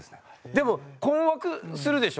でも困惑するでしょ？